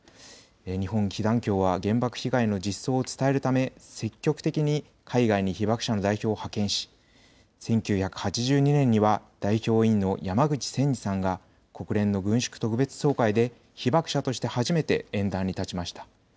日本被団協は原爆被害の実相を伝えるため積極的に海外に被爆者の代表を派遣し１９８２年には代表委員の山口仙二さんが国連の軍縮特別総会で被爆者として初めて演壇に立ちました。